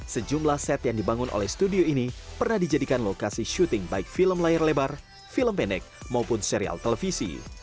sejumlah set yang dibangun oleh studio ini pernah dijadikan lokasi syuting baik film layar lebar film pendek maupun serial televisi